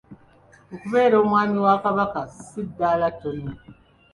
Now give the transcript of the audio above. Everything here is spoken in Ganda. Okubeera Omwami wa Kabaka si ddaala ttono.